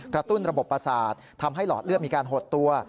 ตุ้นระบบประสาททำให้หลอดเลือดมีการหดตัว